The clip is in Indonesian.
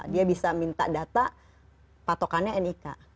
dia bisa minta data patokannya nik